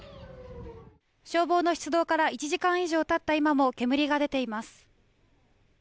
消防の出動から１時間以上経った今も煙が出ています。